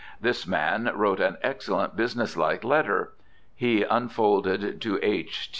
This man wrote an excellent business like letter; he unfolded to H.